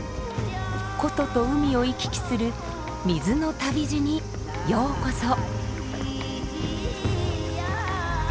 古都と海を行き来する水の旅路にようこそ。